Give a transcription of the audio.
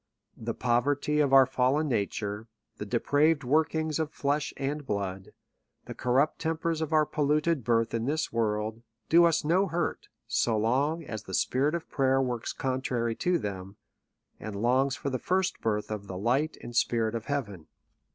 The poverty of our fallen nature, the de praved workings of flesh and blood, the corrupt tem pers of our polluted birth in this world, do us no hurt, so long as the spirit of prayer works contrary to them, and longs for the first birth of the light and spirit of heaven.